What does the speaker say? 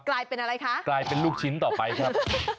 กลายเป็นอะไรคะกลายเป็นลูกชิ้นต่อไปครับ